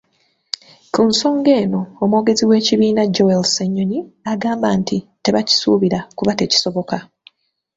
Ku nsonga eno, omwogezi w'ekibiina Joel Ssennyonyi, agamba nti tebakisuubira kuba tekisoboka